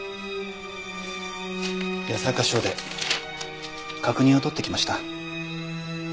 八坂署で確認を取ってきました。